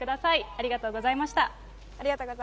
ありがとうございます。